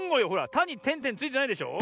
「た」にてんてんついてないでしょ。